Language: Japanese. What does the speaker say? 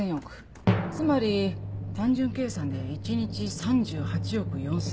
つまり単純計算で一日３８億４０００万。